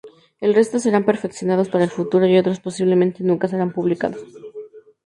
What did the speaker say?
El resto serán perfeccionados para el futuro y otros posiblemente nunca serán publicados.